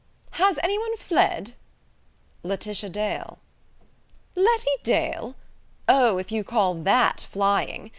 "Has any one fled?" "Laetitia Dale." "Letty Dale? Oh, if you call that flying.